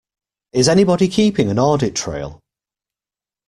Is anybody keeping an audit trail?